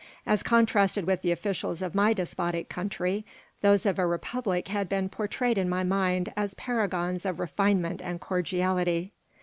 As contrasted with the officials of my despotic country, those of a republic had been portrayed in my mind as paragons of refinement and cordiality.